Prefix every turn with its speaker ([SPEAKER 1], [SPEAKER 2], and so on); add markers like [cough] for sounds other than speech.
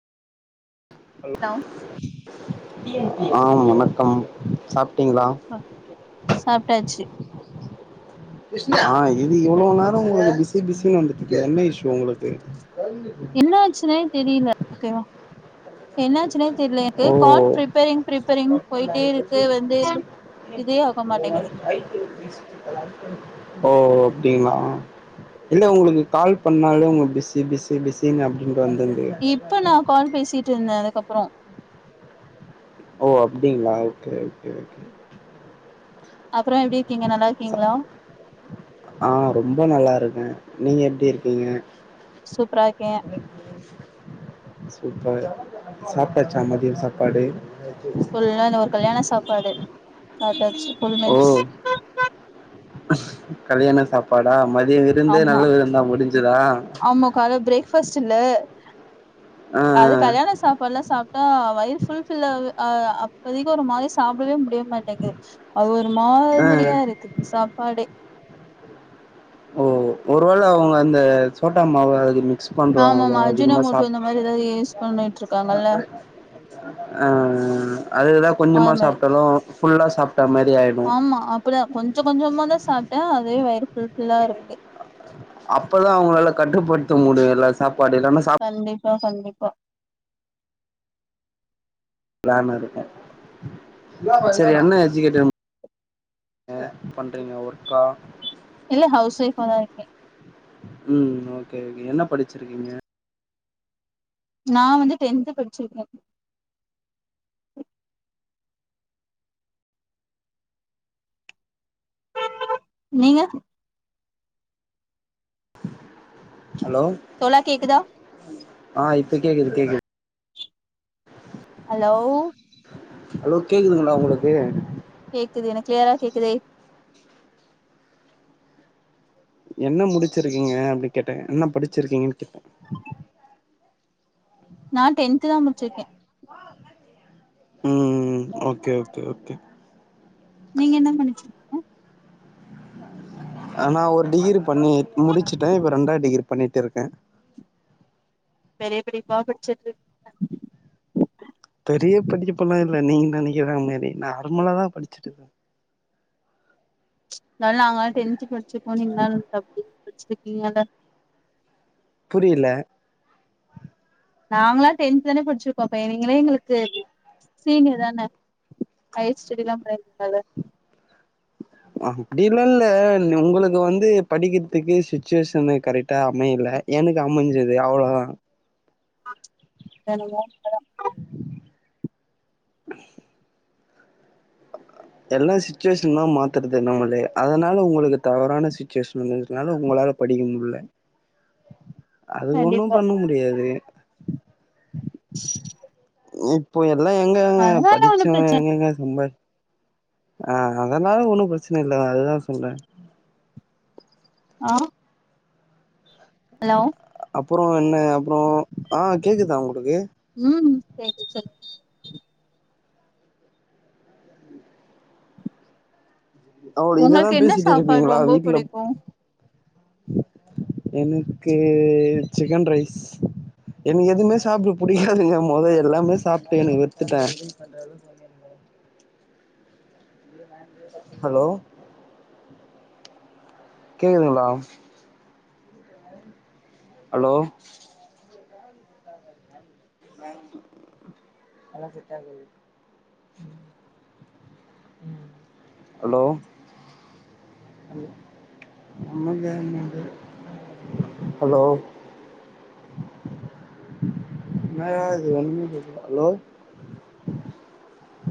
[SPEAKER 1] hello ஆம் வணக்கம் சாப்ட்டீங்ளா
[SPEAKER 2] அ சாப்ட்டாச்சி
[SPEAKER 1] ஆஹ் இது இவ்ளோ நேரோ உங்களுக்கு பிஸி பிஸின்னு வந்துடிற்கே என்ன இஷ்ஷூ உங்களுக்கு கண்டிப்பா
[SPEAKER 2] என்ன ஆச்சுனே தெரில ஓகேவா என்னாச்சினே தெர்ல எனக்கு
[SPEAKER 1] ஓ
[SPEAKER 2] கால் ப்ரிப்பேரிங் ப்ரிப்பரிங் போயிட்டே இருக்கு வந்து இதே ஆகமாட்டேங்கிது
[SPEAKER 1] ஓ அப்டிங்ளா இல்ல உங்களுக்கு கால் பண்ணாலே உங்க பிஸி பிஸி பிஸன் அப்டின்தா வந்திந்ததே
[SPEAKER 2] இப்ப நா கால் பேசிட்டு இருந்தே அதுக்கப்றோ
[SPEAKER 1] ஓ அப்டிங்களா ஓகே ஓகே ஓகே
[SPEAKER 2] அப்புற எப்டி இருக்கீங்க நல்லா இருக்கீங்ளா
[SPEAKER 1] ஆஹ் ரொம்ப நல்லா இருக்கே நீங்க எப்டி இருக்கீங்க
[SPEAKER 2] சூப்ராருக்கே
[SPEAKER 1] சூப்பர் சாப்ட்டாச்ச மதியோ சாப்பாடு
[SPEAKER 2] இல்னா இந்த ஒரு கல்யாணோ கல்யாண சாப்பாடு சாப்ட்டாச்சு ஃபுல்
[SPEAKER 1] ஓ
[SPEAKER 2] மீல்ஸ்
[SPEAKER 1] கல்யாண சாப்பாடா மதிய விருந்தே
[SPEAKER 2] ஆமா
[SPEAKER 1] நல்ல விருந்தா முடிஞ்சதா
[SPEAKER 2] ஆமா கால்ல பிரேக்ஃபாஸ்ட் இல்ல
[SPEAKER 1] ஆ
[SPEAKER 2] அது கல்யாண சாப்பாடுல்லா சாப்ட்டா வயிறு ஃபுல்பில் ஆவ் அஹ் அப்போதைக்கு ஒரு மாதிரி சாப்டவே முடியாதமாரி து அது ஒரு
[SPEAKER 1] ஆ ஆ
[SPEAKER 2] மாதிரியா இருக்கு சாப்பாடே
[SPEAKER 1] ஓ ஒரு வேள அவங்க அந்த சோட்டா மாவு அது மிக்ஸ் பண்றுவாங்களோ
[SPEAKER 2] ஆமாமா
[SPEAKER 1] அதுக்கமா
[SPEAKER 2] அஜினமோட்டோ
[SPEAKER 1] சாப்
[SPEAKER 2] இந்த மாரி ஏதாவது யூஸ் பண்ணிட்டு இருக்காங்கல்ல
[SPEAKER 1] அஹ் அஹ் அதுக்குதா கொஞ்சமா
[SPEAKER 2] அது மாரி
[SPEAKER 1] சாப்டாலு ஃபுல்லா சாப்ட்டா மாரி ஆயிட்
[SPEAKER 2] ஆமா அப்டிதா கொஞ்சோ கொஞ்சமா கொஞ்சமா தா சாப்ட்டே அதுவே வயிறு புல் ஃபில்லா இருக்கு
[SPEAKER 1] அப்பதா அவங்களால கட்டுப்படுத்த முடியு எல்ல சாப்பாடு இல்லன்னா சாப்
[SPEAKER 2] கண்டிப்பா கண்டிப்பா
[SPEAKER 1] பிளான் இருக்கு சரி என்ன எஜுகேடிவ் அ பண்றீங்க ஒர்க்கா
[SPEAKER 2] இல்ல ஹவுஸ் ஒய்ஃப்பா தா இருக்கே
[SPEAKER 1] ம் ஓகே ஓகே என்ன படிச்சிருக்கீங்க
[SPEAKER 2] நா வந்து டென்த் படிச்சிருக்க நீங்க
[SPEAKER 1] ஹலோ
[SPEAKER 2] தோழா கேக்குதா
[SPEAKER 1] ஆ இப்ப கேக்குது கேக்குது
[SPEAKER 2] ஹலோ
[SPEAKER 1] ஹலோ கேக்குதுங்ளா உங்களுக்கு
[SPEAKER 2] கேக்குது எனக் கிளயரா கேக்குதே
[SPEAKER 1] என்ன முடிச்சிருக்கீங்க அப்டின் கேட்ட என்ன படிச்சிருக்கீங்கன் கேட்ட
[SPEAKER 2] நா டென்து தா முடிச்சிருக்கே
[SPEAKER 1] ம் ம் ஓகே ஓகே ஓகே
[SPEAKER 2] நீங்க என்ன படிச்சீங்க
[SPEAKER 1] நானா ஒரு டிகிரி பண்ணி முடிச்சுட்டே இப்ப ரெண்டாது டிகிரி பண்ணிட்டு இருக்கே
[SPEAKER 2] பெரிய படிப்பா படிச்சிர்கு
[SPEAKER 1] பெரிய படிக்கப்பலா இல்ல நீங்க நனைக்கிற மாரி நா ர்மலா தா படிச்சது
[SPEAKER 2] நல்லாங்க டென்து படிச்சிருப்போ நீங்ளா தப்பு நீங்களால படிச்சிருக்கீங்கள
[SPEAKER 1] புரில
[SPEAKER 2] நாங்களா டென்த் தான படிச்சிருப்போ அப்ப நீங்களே எங்ளுக்கு சீனியர் தான ஹை செடிலா பயப்படாத
[SPEAKER 1] அப்டில இல்ல உங்களுக்கு வந்து படிக்கிறதுக்கு சுச்சுவேஷன் கரெக்டா அமைல எனக்கு அமஞ்சது அவ்ளோதா
[SPEAKER 2] எனங்க
[SPEAKER 1] எல்லா சுச்சுவேஷன் தா மாத்துறது நம்மளே அதனால உங்களுக்கு தவறான சுச்சுவேஷன் இருந்துனால உங்களால படிக்க முல்ல அது ஒண்ணு
[SPEAKER 2] கண்டிப்பா
[SPEAKER 1] பண்ண முடியாது இப்போ எல்லா எங்கங்க
[SPEAKER 2] அதனால ஒன்னு
[SPEAKER 1] படிச்சவன்
[SPEAKER 2] பிரச்சன
[SPEAKER 1] எங்கங்க சம்பாரி ஆ அதனால ஒன்னு பிரச்சன இல்ல அதுதா சொல்ற
[SPEAKER 2] ஆ ஹலோ
[SPEAKER 1] அப்புறோ என்ன அப்புறோ ஆ கேக்குதா உங்களுக்கு
[SPEAKER 2] ம் செரி செரி
[SPEAKER 1] அவள இங்க தா
[SPEAKER 2] உங்களுக்கு என்ன
[SPEAKER 1] பேசிட்டு
[SPEAKER 2] சாப்பாடு
[SPEAKER 1] இருப்பீங்ளா
[SPEAKER 2] ரொம்ப
[SPEAKER 1] வீட்ல
[SPEAKER 2] புடிக்கு
[SPEAKER 1] எனக்கு சிக்கன் ரைஸ் எனக்கு எதுவுமே சாப்ட புடிக்காதுங்க மொத எல்லாமே சாப்ட்டு எனக்கு வெறுத்துட்ட [inaudible] ஹலோ கேக்குதுங்ளா ஹலோ [unintelligible] அதெல்லா செட் ஆகாது ஹலோ ஹலோ அலோ